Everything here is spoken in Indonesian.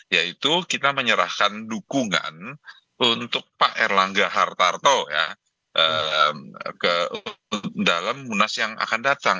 yaitu kita menyerahkan dukungan untuk pak erlangga hartarto ya ke dalam munas yang akan datang